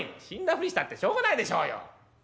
「死んだふりしたってしょうがないでしょうよ。